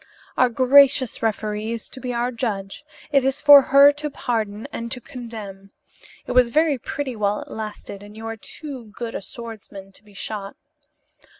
Our gracious referee is to be our judge. It is for her to pardon and to condemn. It was very pretty while it lasted and you are too good a swordsman to be shot.